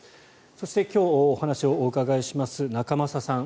そして今日、お話をお伺いします仲正さん。